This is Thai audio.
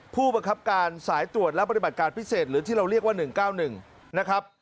ผู้บังคับการสายตรวจและปฏิบัติการพิเศษหรือที่เราเรียกว่า๑๙๑นะครับ